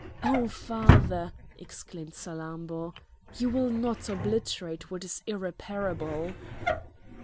"O father!" exclaimed Salammbô, "you will not obliterate what is irreparable!"